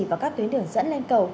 và các tuyến đường dẫn lên cầu